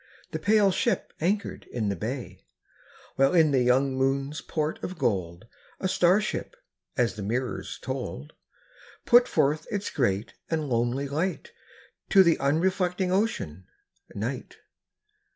The pale ship anchored in the bay, While in the young moon's port of gold A star ship — as the mirrors told — Put forth its great and lonely light To the unreflecting Ocean, Night.